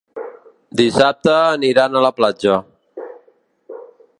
Dissabte aniran a la platja.